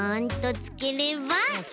つければ？